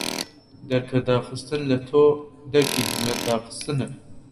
دەرکەداخستن لە تۆ دەرکی هومێد داخستنە